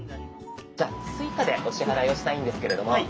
じゃあ「Ｓｕｉｃａ」でお支払いをしたいんですけれども。